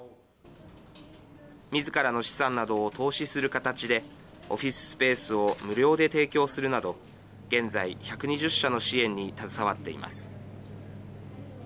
みずからの資産などを投資する形でオフィススペースを無料で提供するなど現在、１２０社の支援に携わっています。